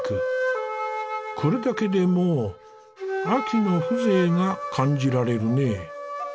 これだけでもう秋の風情が感じられるね。